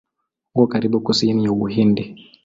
Uko katika kusini ya Uhindi.